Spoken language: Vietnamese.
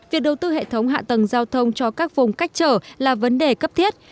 việc đầu tư hệ thống hạ tầng giao thông cho các vùng cách trở là vấn đề cấp thiết